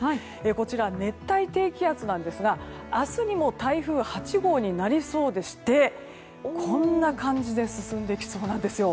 こちら、熱帯低気圧なんですが明日にも台風８号になりそうでしてこんな感じで進んでいきそうなんですよ。